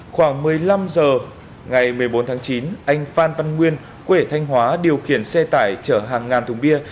khoảng một mươi năm h ngày một mươi bốn tháng chín anh phan văn nguyên quể thanh hóa điều khiển xe tải chở hàng ngàn thùng bia